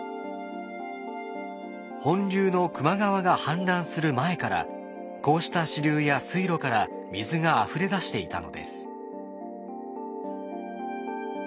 本流の球磨川が氾濫する前からこうした支流や水路から水があふれ出していたのです。